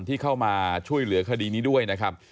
ที่เข้ามาช่วยเหลือคดีนี้ด้วย